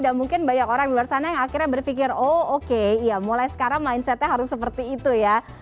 dan mungkin banyak orang di luar sana yang akhirnya berpikir oh oke ya mulai sekarang mindsetnya harus seperti itu ya